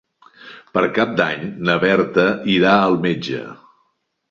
Per Cap d'Any na Berta irà al metge.